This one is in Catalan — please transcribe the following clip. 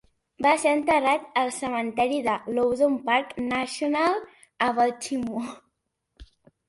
Va ser enterrat al cementeri del Loudon Park National a Baltimore.